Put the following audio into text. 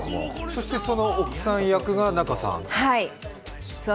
そしてその奥さん役が仲さん。